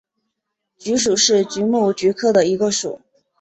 菊属是菊目菊科的一个属。